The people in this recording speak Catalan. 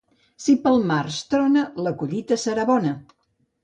Si pel març trona, la collita serà bona.